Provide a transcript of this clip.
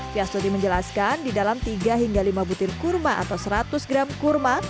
fiastuti menjelaskan di dalam tiga hingga lima butir kurma atau seratus gram kurma